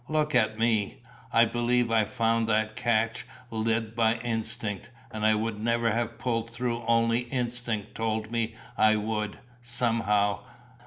Look at me. I believe I found that cache led by instinct and I would never have pulled through only instinct told me I would, somehow.